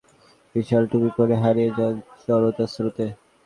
জরি-চুমকি দিয়ে নিজের বানানো বিশাল টুপি পরে হারিয়ে যান জনতার স্রোতে।